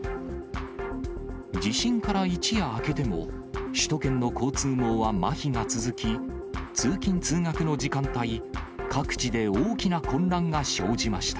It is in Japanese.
地震から一夜明けても、首都圏の交通網はまひが続き、通勤・通学の時間帯、各地で大きな混乱が生じました。